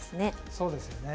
そうですよね。